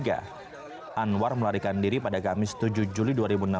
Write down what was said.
anwar melarikan diri pada kamis tujuh juli dua ribu enam belas